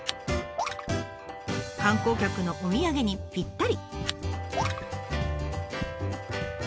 観光客のお土産にぴったり。